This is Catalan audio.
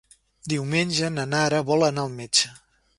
Diumenge na Nara vol anar al metge.